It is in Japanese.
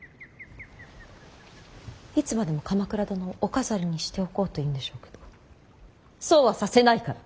いつまでも鎌倉殿をお飾りにしておこうというんでしょうけどそうはさせないから。